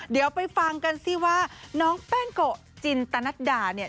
เดี๋ยวไปฟังกันสิว่าน้องแป้งโกะจินตนัดดาเนี่ย